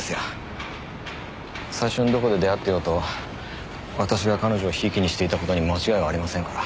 最初にどこで出会ってようと私が彼女を贔屓にしていた事に間違いはありませんから。